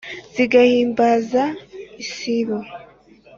zigahimbaza isibo,